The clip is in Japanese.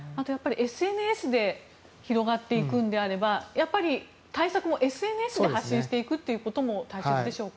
ＳＮＳで広がっていくのであればやっぱり対策もＳＮＳで発信していくことも大切でしょうか。